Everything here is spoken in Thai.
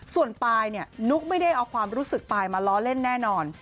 ส่วนปายเนี่ยนุ๊กไม่ได้เอาความรู้สึกปลายมาล้อเล่นแน่นอน